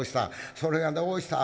「それがどうした？